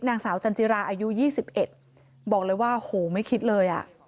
นางสาวจันจิราอายุ๒๑บอกเลยว่าโหไม่คิดเลยอ่ะ